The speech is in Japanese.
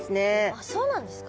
あっそうなんですか。